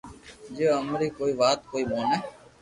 جي او امري ڪوئي وات ڪوئي ھوڻي ھي